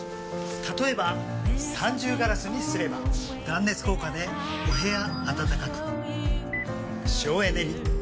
例えば三重ガラスにすれば断熱効果でお部屋暖かく省エネに。